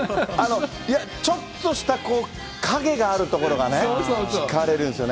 ちょっとしたこう、陰があるところがね、引かれるんですよね。